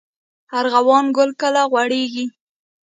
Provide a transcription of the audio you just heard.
ارغوان ګل کله غوړیږي؟